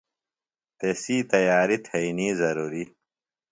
تسی تیاریۡ تھئینیۡ ضرُوری۔